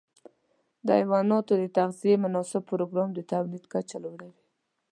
د حيواناتو د تغذیې مناسب پروګرام د تولید کچه لوړه وي.